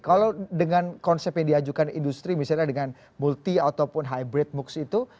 kalau dengan konsep yang diajukan industri misalnya dengan multi ataupun hybrid moocs itu